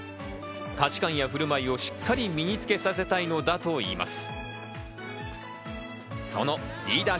価値感や振る舞いをしっかり身につけさせたいのだといいます。